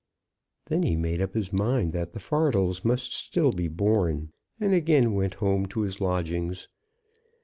Then he made up his mind that the fardels must still be borne, and again went home to his lodgings.